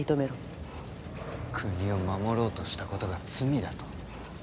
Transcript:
国を守ろうとしたことが罪だと？